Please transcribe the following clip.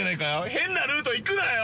変なルート行くなよ。